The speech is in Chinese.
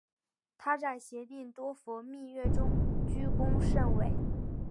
她在协定多佛密约中居功甚伟。